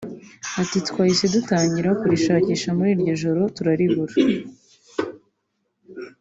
Ati “Twahise dutangira kurishakisha muri iryo joro turaribura